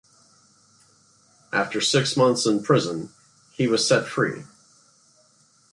After six months in prison, he was set free.